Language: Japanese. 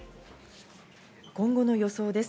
今後の予想です。